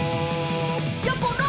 「やころ！」